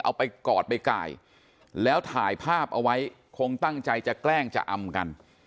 เอาไปกอดไปกายแล้วถ่ายภาพเอาไว้คงตั้งใจจะแกล้งจะอำกัน